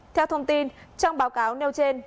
theo thông tin trong báo cáo nêu trên